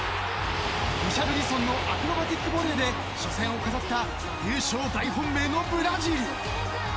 リシャルリソンのアクロバティックボレーで初戦を飾った優勝大本命のブラジル。